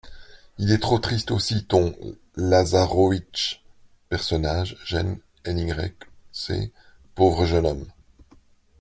Il est trop triste aussi, ton LAZAROWITCH. {{personnage|JEN NY.|c}} Pauvre jeune homme …